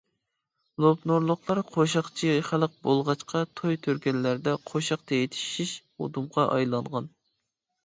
لوپنۇرلۇقلار قوشاقچى خەلق بولغاچقا توي-تۆكۈنلەردە قوشاق ئېيتىشىش ئۇدۇمغا ئايلانغان.